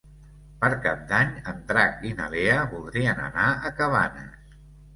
Per Cap d'Any en Drac i na Lea voldrien anar a Cabanes.